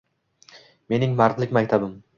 Mening mardlik maktabim